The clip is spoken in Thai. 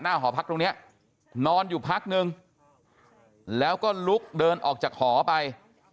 หอพักตรงนี้นอนอยู่พักนึงแล้วก็ลุกเดินออกจากหอไป